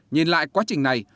nhìn lại quá trình này